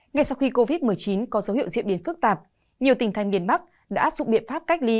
ngay sau khi covid một mươi chín có dấu hiệu diễn biến phức tạp nhiều tỉnh thành miền bắc đã áp dụng biện pháp cách ly